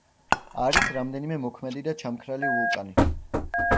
არის რამდენიმე მოქმედი და ჩამქრალი ვულკანი.